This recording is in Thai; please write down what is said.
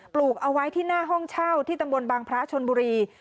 ลูกเอาไว้ที่หน้าห้องเช่าที่ตำบลบางพระชนบุรี